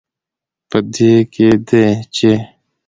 په دې کې دی، چې